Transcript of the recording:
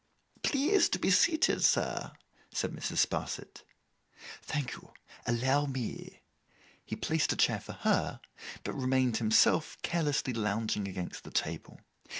'Please to be seated, sir,' said Mrs. Sparsit. 'Thank you. Allow me.' He placed a chair for her, but remained himself carelessly lounging against the table.